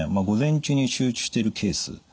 午前中に集中してるケース。